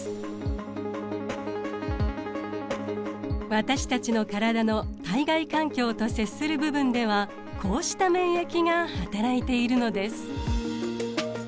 私たちの体の体外環境と接する部分ではこうした免疫がはたらいているのです。